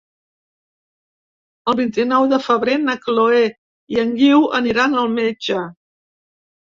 El vint-i-nou de febrer na Chloé i en Guiu aniran al metge.